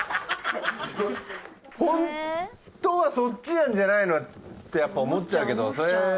ホントはそっちなんじゃないのってやっぱ思っちゃうけどそれは違うんだ。